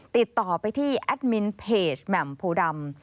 ติดต่อไปที่แอดมินเพจแหม่มโพดำ